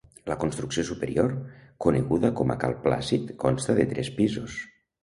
La construcció superior, coneguda com a Cal Plàcid, consta de tres pisos.